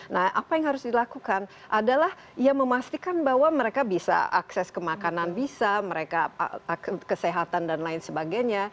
nah apa yang harus dilakukan adalah ya memastikan bahwa mereka bisa akses ke makanan bisa mereka kesehatan dan lain sebagainya